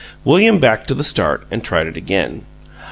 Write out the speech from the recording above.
William backed to the start and tried it again.